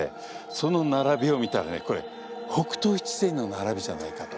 その並びを見たらねこれ北斗七星の並びじゃないかと。